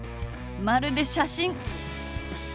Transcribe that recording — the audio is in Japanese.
まるで写真！